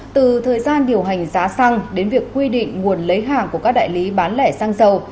từ thời gian điều hành giá xăng đến việc quy định nguồn lấy hàng của các đại lý bán lẻ xăng dầu